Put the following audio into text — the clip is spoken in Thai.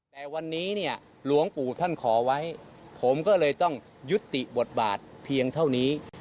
แต่วันนี้เนี่ยหลวงปู่ท่านขอไว้ผมก็เลยต้องยุติบทบาทเพียงเท่านี้